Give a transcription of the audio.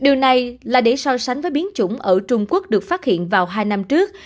điều này là để so sánh với biến chủng ở trung quốc được phát hiện vào hai năm trước